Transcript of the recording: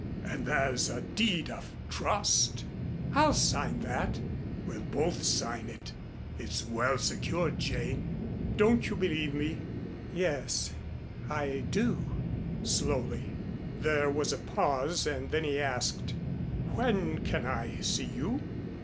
And there's a deed of trust." "I'll sign that." "We'll both sign it. It's well secured, Jane. Don't you believe me?" "Yes, I do," slowly. There was a pause and then he asked, "When can I see you?"